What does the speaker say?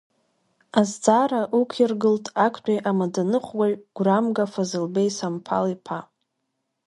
Азҵаара ықәиргылт актәи амаӡаныҟәгаҩ Гәрамга Фазылбеи Самԥал-иԥа.